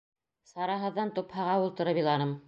Сараһыҙҙан, тупһаға ултырып иланым...